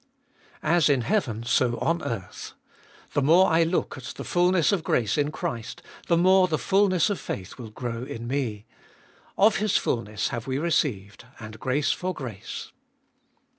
3. As in heaven so on earth. The more I look at the fulness of grace in Christ, the more the fulness of faith will grow in me. Of His fulness have we received, and grace for grace.